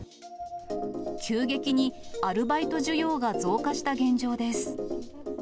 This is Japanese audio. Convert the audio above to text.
急激にアルバイト需要が増加した現状です。